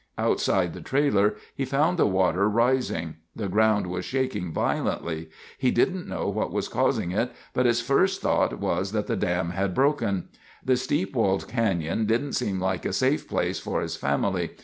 Outside the trailer, he found the water rising. The ground was shaking violently. He didn't know what was causing it, but his first thought was that the dam had broken. The steep walled canyon didn't seem like a safe place for his family.